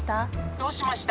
どうしました？